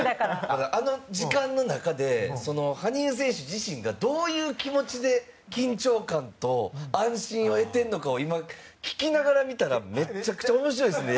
あの時間の中で羽生選手自身がどういう気持ちで緊張感と安心を得ているのかを今、聞きながら見たらめちゃくちゃ面白いですね。